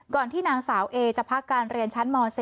ที่นางสาวเอจะพักการเรียนชั้นม๔